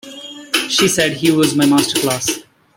She said, He was my masterclass.